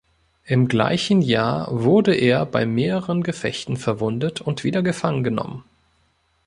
Im gleichen Jahr wurde er bei mehreren Gefechten verwundet und wieder gefangen genommen.